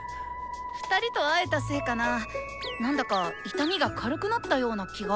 ２人と会えたせいかな何だか痛みが軽くなったような気が。